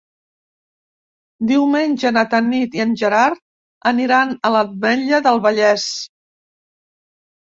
Diumenge na Tanit i en Gerard aniran a l'Ametlla del Vallès.